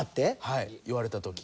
はい言われた時。